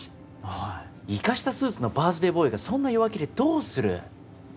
おいイカしたスーツのバースデーボーイがそんな弱気でどうする？